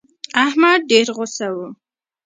احمد ډېر غوسه و.